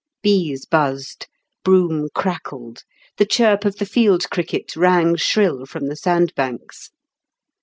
Bees buzzed, broom crackled, the chirp of the field cricket rang shrill from the sand banks.